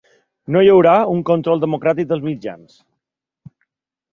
No hi haurà un control democràtic dels mitjans.